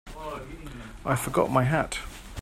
I forgot my hat.